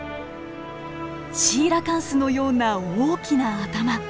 シーラカンスのような大きな頭。